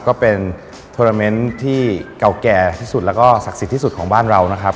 ก็เป็นโทรเมนต์ที่เก่าแก่ที่สุดแล้วก็ศักดิ์สิทธิ์ที่สุดของบ้านเรานะครับ